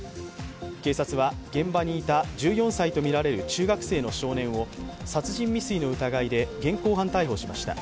警察は現場にいた１４歳とみられる中学生の少年を殺人未遂の疑いで現行犯逮捕しました。